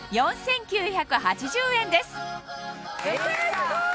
すごい！